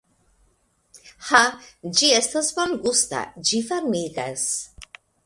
Ha, ĝi estas bongusta, ĝi varmigas!